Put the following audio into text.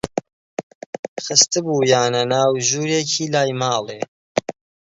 خستبوویانە ناو ژوورێکی لای ماڵێ